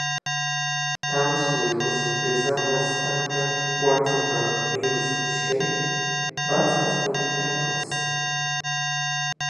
Pounce wheels resemble standard Wartenberg wheels in shape but have wooden handles.